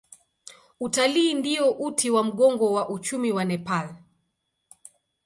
Utalii ndio uti wa mgongo wa uchumi wa Nepal.